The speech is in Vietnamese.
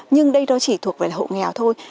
nhưng đây đó chỉ thuộc về hộ nghèo thôi